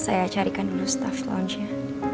saya carikan dulu staff lounge nya